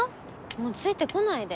もうついて来ないで。